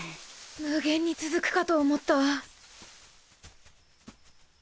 無限に続くかと思った。